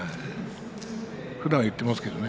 ふだんは言ってますけどね。